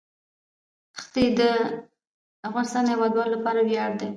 ښتې د افغانستان د هیوادوالو لپاره ویاړ دی.